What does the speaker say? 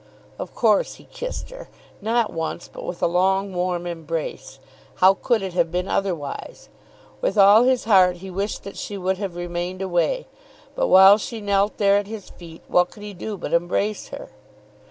Of course he kissed her, not once, but with a long, warm embrace. How could it have been otherwise? With all his heart he wished that she would have remained away, but while she knelt there at his feet what could he do but embrace her?